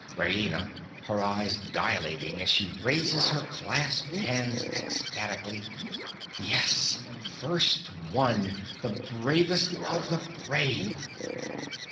RAINA. (her eyes dilating as she raises her clasped hands ecstatically). Yes, first One!—the bravest of the brave!